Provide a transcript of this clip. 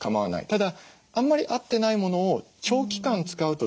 ただあんまり合ってないものを長期間使うと疲れてしまうので。